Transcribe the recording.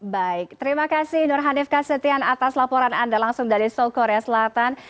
baik terima kasih nur hanif kasetian atas laporan anda langsung dari seoul korea selatan